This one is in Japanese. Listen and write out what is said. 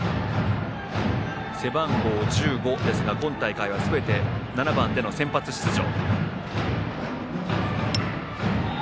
背番号１５ですが今大会はすべて７番での先発出場。